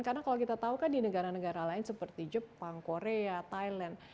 karena kalau kita tahu kan di negara negara lain seperti jepang korea thailand